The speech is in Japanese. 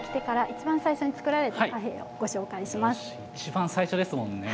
一番最初ですもんね。